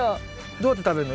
どうやって食べるの？